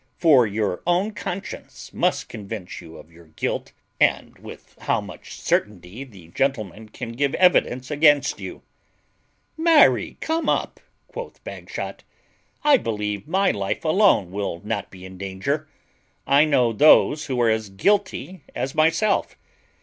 For your own conscience must convince you of your guilt, and with how much certainty the gentleman can give evidence against you." "Marry come up!" quoth Bagshot; "I believe my life alone will not be in danger. I know those who are as guilty as myself.